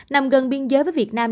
nằm gần biên giới với việt nam